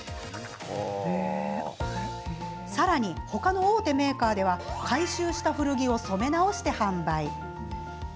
さらに、他の大手メーカーでは回収した古着を染め直して販売。